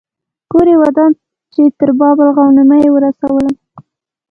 کور یې ودان چې تر باب الغوانمه یې ورسولم.